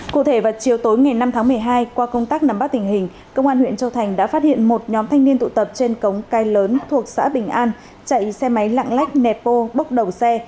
cụ thể vào chiều tối ngày năm tháng một mươi hai qua công tác nắm bắt tình hình công an huyện châu thành đã phát hiện một nhóm thanh niên tụ tập trên cống cái lớn thuộc xã bình an chạy xe máy lạng lách nẹp bô bốc đầu xe